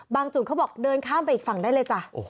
จุดเขาบอกเดินข้ามไปอีกฝั่งได้เลยจ้ะ